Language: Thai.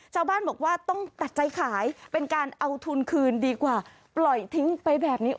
ชาวบ้านบอกว่าต้องตัดใจขายเป็นการเอาทุนคืนดีกว่าปล่อยทิ้งไปแบบนี้